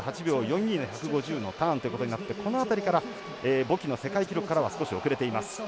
１分２８秒４２で１５０のターンということになってこの辺りからボキの世界記録から少し遅れています。